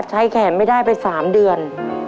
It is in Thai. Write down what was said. ใช้แขนไม่ได้ไป๓เดือน